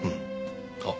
あっ。